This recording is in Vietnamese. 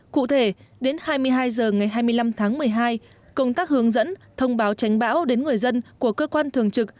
cụ thể đến hai mươi hai h ngày hai mươi năm tháng một mươi hai công tác hướng dẫn thông báo tránh bão đến người dân của cơ quan thường trực